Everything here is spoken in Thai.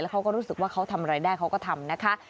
เขาก็รู้สึกว่าเขาทำอะไรได้เขาก็ทำนะคะ